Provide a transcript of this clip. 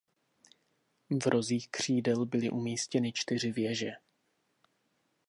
V rozích křídel byly umístěny čtyři věže.